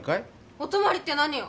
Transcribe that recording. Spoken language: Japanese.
お泊まりって何よ！？